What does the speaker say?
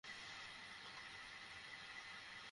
ওর বাবা-মা শুনলে খুশি হবে না।